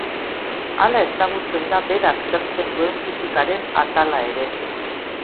Hala ezagutzen da bera aztertzen duen fisikaren atala ere.